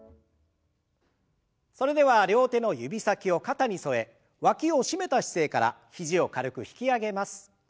それでは両手の指先を肩に添えわきを締めた姿勢から肘を軽く引き上げます。